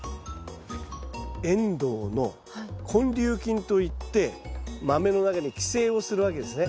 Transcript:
エンドウの根粒菌といってマメの中に寄生をするわけですね。